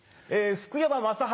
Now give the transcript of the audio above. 福山雅治